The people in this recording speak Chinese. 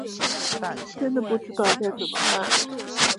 真的不知道该怎么办